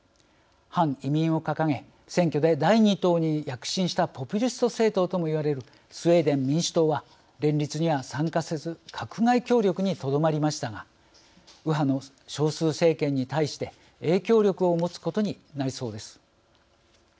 反移民を掲げ選挙で第２党に躍進したポピュリスト政党ともいわれるスウェーデン民主党は連立には参加せず閣外協力にとどまりましたが右派の少数政権に対して影響力を持つことになりそうです。